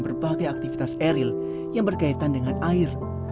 berbagai aktivitas eril yang berkaitan dengan air